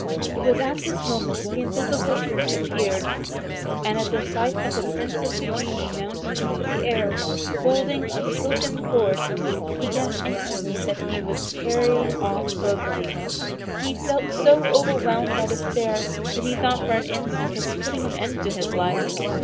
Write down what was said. It was at this moment that the Invisible Prince appeared, and at the sight of the Prince of the Genii mounting into the air, holding a silken cord, he guessed instantly that he was carrying off Rosalie. He felt so overwhelmed by despair that he thought for an instant of putting an end to his life.